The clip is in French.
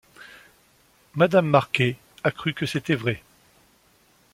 Madame Marquet a cru que c’était vrai.